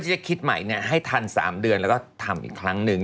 จะคิดใหม่ให้ทัน๓เดือนแล้วก็ทำอีกครั้งหนึ่ง